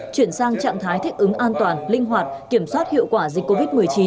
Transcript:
chuyển sang trạng thái thích ứng an toàn linh hoạt kiểm soát hiệu quả dịch covid một mươi chín